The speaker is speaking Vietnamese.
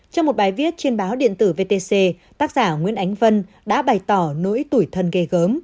trong một bài viết trên báo điện tử vtc tác giả nguyễn ánh vân đã bày tỏ nỗi tuổi thân ghê gớm